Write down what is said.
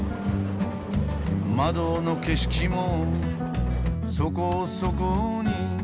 「窓の景色もそこそこに」